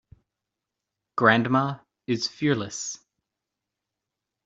Grandma is fearless.